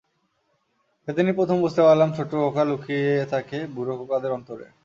সেদিনই প্রথম বুঝতে পারলাম ছোট্ট খোকা লুকিয়ে থাকে বুড়ো খোকাদের অন্তরে।